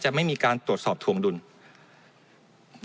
จะไม่มีการตรวจสอบทวงดุลครั้งหนึ่งแล้ว